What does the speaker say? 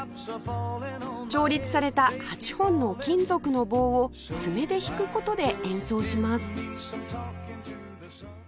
調律された８本の金属の棒を爪で弾く事で演奏します